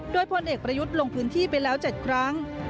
โดยพลเอกประยุทธ์ลงพื้นที่ไปแล้ว๗ครั้ง